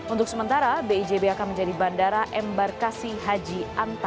untuk penerbangan rute bijb akan melayani penerbangan rute denpasar surabaya makassar balikpapan dan medan